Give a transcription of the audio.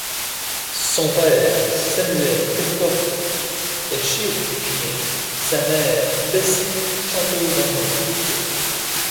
Son père, Samuel Peikoff est chirurgien, sa mère, Bessie chanteuse dans un groupe.